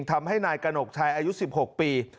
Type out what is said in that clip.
ทำให้นายกระหนกชัยอายุ๑๖ปี